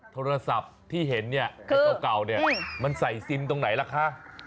โทรศัพท์ที่เห็นเนี่ยไอ้เก่าเนี่ยมันใส่ซิมตรงไหนล่ะคะ